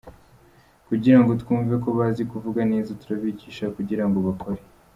kugira ngo twumve ko bazi kuvuga neza? Turabigisha kugira ngo bakore!”.